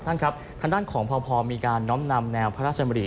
ท่านครับทางด้านของพอมีการน้อมนำแนวพระราชมริ